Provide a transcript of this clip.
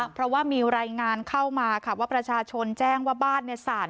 เพราะว่ามีรายงานเข้ามาค่ะว่าประชาชนแจ้งว่าบ้านเนี่ยสาด